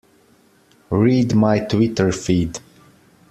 Read my Twitter feed.